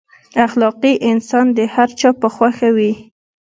اخلاقي انسان د هر چا خوښ وي.